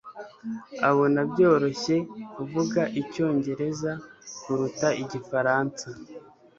abona byoroshye kuvuga icyongereza kuruta igifaransa.